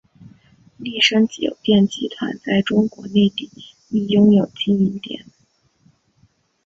丽笙酒店集团在中国内地亦拥有经营点。